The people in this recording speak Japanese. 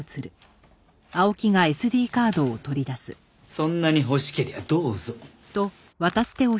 そんなに欲しけりゃどうぞ。